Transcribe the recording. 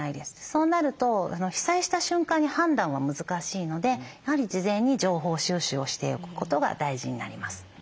そうなると被災した瞬間に判断は難しいのでやはり事前に情報収集をしておくことが大事になります。